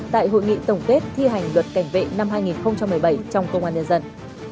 tại hội nghị tổng kết thi hành luật cảnh vệ năm hai nghìn một mươi bảy trong công an nhân dân